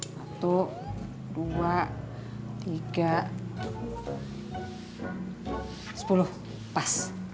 satu dua tiga sepuluh pas